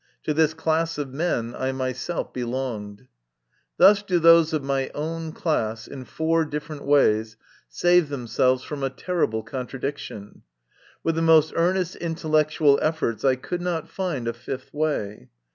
To this class of men I myself belonged. Thus do those of my own class, in four different ways, save themselves from a terrible contradiction. With the most earnest intel lectual efforts I could not find a fifth way.